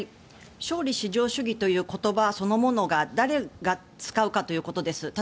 勝利至上主義という言葉そのものが誰が使うかということです。